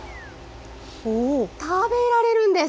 食べられるんです。